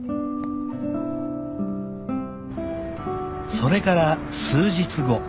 それから数日後。